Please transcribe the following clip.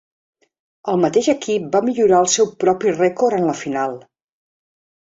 El mateix equip va millorar el seu propi rècord en la final.